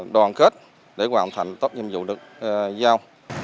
đoàn kết để hoàn thành tốt nhiệm vụ được giao